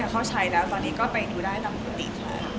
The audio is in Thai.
กับเข้าชัยแล้วตอนนี้ก็ไปดูได้อย่างปกติค่ะ